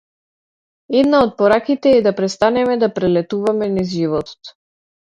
Една од пораките е да престанеме да прелетуваме низ животот.